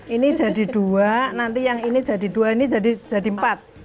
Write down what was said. ini jadi dua nanti yang ini jadi dua ini jadi empat